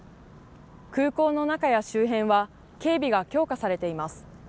空港の中や周辺は警備が強化されています。